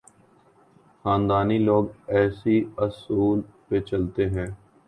خاندانی لوگ اسی اصول پہ چلتے ہیں۔